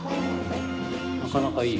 なかなかいい